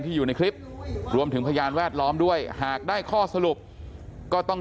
อยู่ในคลิปรวมถึงพยานแวดล้อมด้วยหากได้ข้อสรุปก็ต้อง